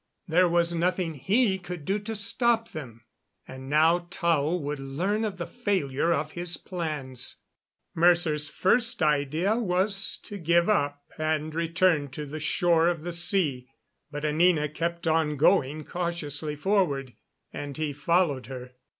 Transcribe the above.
There was nothing he could do to stop them. And now Tao would learn of the failure of his plans. Mercer's first idea was to give up and return to the shore of the sea; but Anina kept on going cautiously forward, and he followed her.